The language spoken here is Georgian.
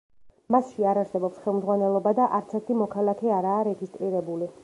მასში არ არსებობს ხელმძღვანელობა და არც ერთი მოქალაქე არაა რეგისტრირებული.